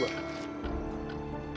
gue kira deh